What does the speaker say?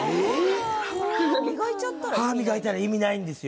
歯磨いたら意味ないんですよ